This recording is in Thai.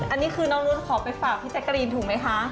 อันนี้คือน้องนุษย์ขอไปฝากพี่แจ๊กกะรีนถูกไหมคะ